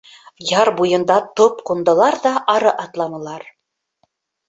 Яр буйында топ ҡундылар ҙа ары атланылар.